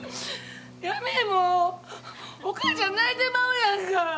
やめえ、もうお母ちゃん泣いてまうやんか。